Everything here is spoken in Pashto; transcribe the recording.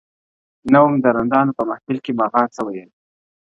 نه وم د رندانو په محفل کي مغان څه ویل-